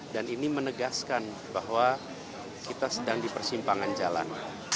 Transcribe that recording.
dan ini menegaskan bahwa kita sedang di persimpangan jalan